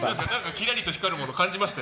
きらりと光るもの感じました？